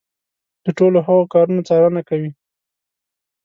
د ټولو هغو کارونو څارنه کوي.